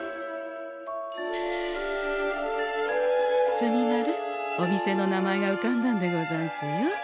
墨丸お店の名前がうかんだんでござんすよ。